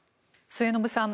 末延さん